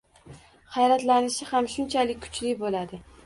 hayratlanishi ham shunchalik kuchli bo‘ladi.